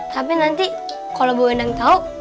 tapi nanti kalau bu endang tahu